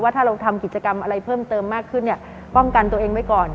ถ้าเราทำกิจกรรมอะไรเพิ่มเติมมากขึ้นเนี่ยป้องกันตัวเองไว้ก่อน